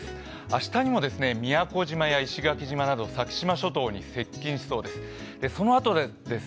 明日にも宮古島や石垣島など先島諸島に接近しそうです。